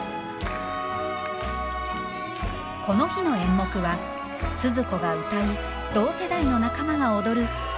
この日の演目はスズ子が歌い同世代の仲間が踊る「恋のステップ」。